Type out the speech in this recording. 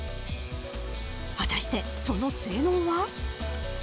果たして、その性能は。